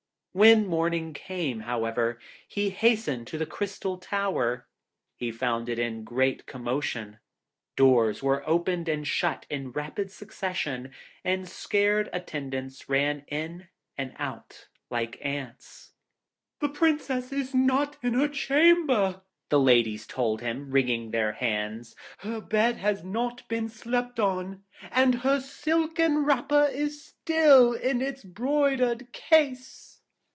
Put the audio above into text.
When morning came, however, he hastened to the Crystal Tower. He found it in great commotion. Doors were opened and shut in rapid succession, and scared attendants ran in and out like ants. 'The Princess is not in her chamber!' her ladies told him, wringing their hands. 'Her bed has not been slept on, and her silken wrapper is still in its broidered case.'